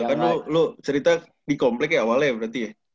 kan lu cerita di komplek ya awalnya berarti ya